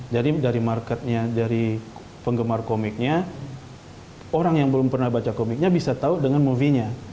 jadi dari marketnya dari penggemar komiknya orang yang belum pernah baca komiknya bisa tahu dengan movie nya